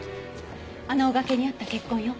あの崖にあった血痕よ。